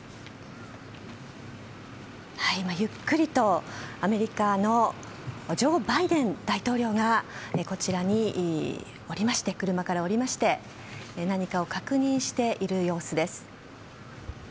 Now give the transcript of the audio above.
ゆっくりとアメリカのジョー・バイデン大統領がこちらに車から降りまして何かを確認している様子です。